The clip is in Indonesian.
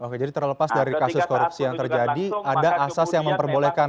oke jadi terlepas dari kasus korupsi yang terjadi ada asas yang memperbolehkan